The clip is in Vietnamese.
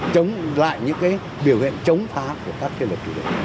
chống lại những biểu hiện chống phá của các cơ lực chủ đề